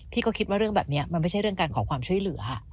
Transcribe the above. ก็คิดว่าเรื่องแบบนี้มันไม่ใช่เรื่องการขอความช่วยเหลือ